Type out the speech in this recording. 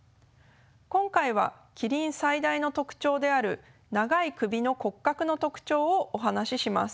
今回はキリン最大の特徴である長い首の骨格の特徴をお話しします。